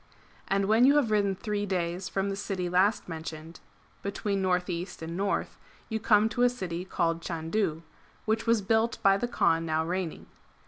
And when you have ridden three days from the city last mentioned, between north east and north, you come to a city called Chandu,^ which was built by the Kaan now reigning.